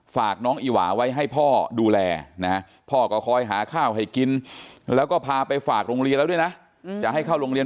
ฝากน้องอิหวาไว้ให้พ่อดูแลนะพ่อก็คอยหาข้าวให้กิน